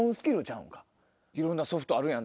いろんなソフトあるやん。